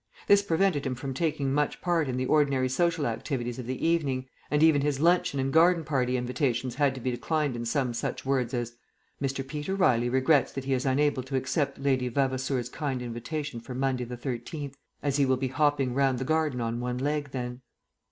This prevented him from taking much part in the ordinary social activities of the evening; and even his luncheon and garden party invitations had to be declined in some such words as "Mr. Peter Riley regrets that he is unable to accept Lady Vavasour's kind invitation for Monday the 13th, as he will be hopping round the garden on one leg then."